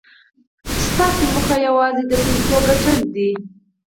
ستاسې موخه یوازې د پیسو ګټل دي